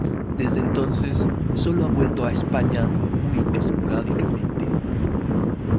Desde entonces sólo ha vuelto a España muy esporádicamente.